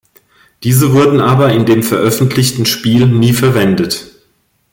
Diese wurden aber in dem veröffentlichten Spiel nie verwendet.